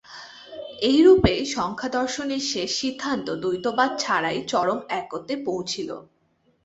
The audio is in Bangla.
এইরূপে সাংখ্যদর্শনের শেষ সিদ্ধান্ত দ্বৈতবাদ ছাড়াইয়া চরম একত্বে পৌঁছিল।